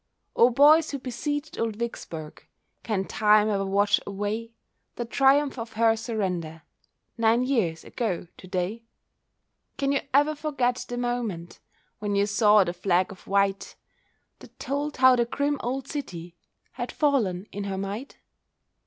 O boys who besieged old Vicksburgh, Can time e'er wash away The triumph of her surrender, Nine years ago to day? Can you ever forget the moment, When you saw the flag of white, That told how the grim old city Had fallen in her might?